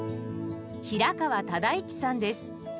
平川唯一さんです。